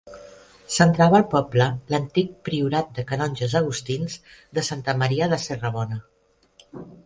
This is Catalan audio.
Centrava el poble l'antic priorat de canonges agustins de Santa Maria de Serrabona.